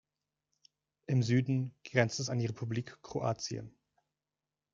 Im Süden grenzt es an die Republik Kroatien.